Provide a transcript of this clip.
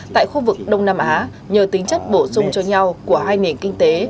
tại khu vực đông nam á nhờ tính chất bổ sung cho nhau của hai nền kinh tế